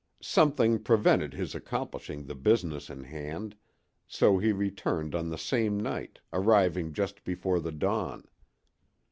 Something prevented his accomplishing the business in hand, so he returned on the same night, arriving just before the dawn.